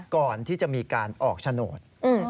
ก่อนที่จะมีการออกโฉนด